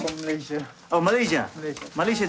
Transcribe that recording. マレーシア？